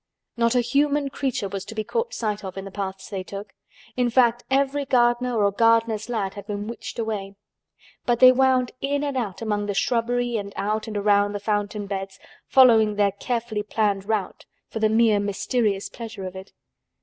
Not a human creature was to be caught sight of in the paths they took. In fact every gardener or gardener's lad had been witched away. But they wound in and out among the shrubbery and out and round the fountain beds, following their carefully planned route for the mere mysterious pleasure of it.